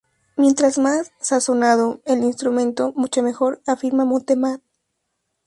Mientras más "sazonado" el instrumento, mucho mejor, afirma Mute Math.